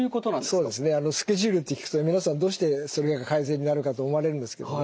そうですねスケジュールって聞くと皆さんどうしてそれが改善になるかと思われるんですけどね